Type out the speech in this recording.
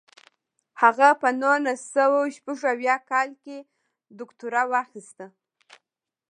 هغه په نولس سوه شپږ اویا کال کې دوکتورا واخیسته.